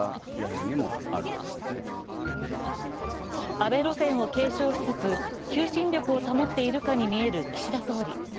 安倍路線を継承しつつ、求心力を保っているかにみえる岸田総理。